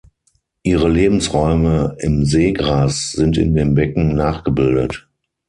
Ihre Lebensräume im Seegras sind in den Becken nachgebildet.